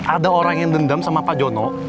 ada orang yang dendam sama pak jono